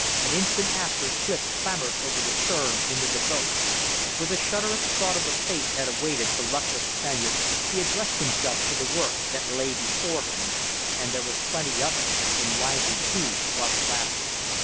An instant after Clif clambered over the stern into the boat. With a shudder at the thought of the fate that awaited the luckless Spaniard, he addressed himself to the work that lay before him. And there was plenty of it, and lively, too, while it lasted.